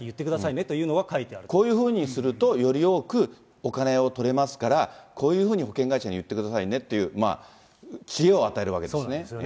ねっこういうふうにするとより多くお金をとれますから、こういうふうに保険会社に言ってくださいねっていう、知恵を与えそうなんですよね。